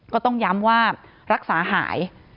ก็ต้องย้ำว่ารักษาหาย